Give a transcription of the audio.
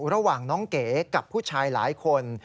ระหว่างน้องเก๋กับผู้ชายหลายคน